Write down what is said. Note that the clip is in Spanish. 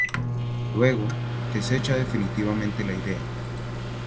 Luego, desecha definitivamente la idea.